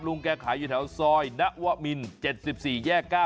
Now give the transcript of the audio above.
แกขายอยู่แถวซอยณวมิน๗๔แยก๙